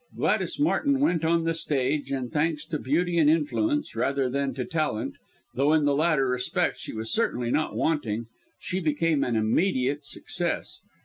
Gladys Martin went on the Stage, and thanks to beauty and influence, rather than to talent though in the latter respect she was certainly not wanting she became an immediate success.